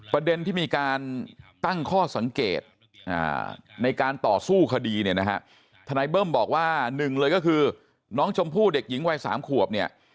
ประเด็นที่มีการตั้งข้อสังเกตในการต่อสู้คดีทนายเบิ้มบอกว่า๑น้องชมผู้เด็กหญิงวัย๓ขวบ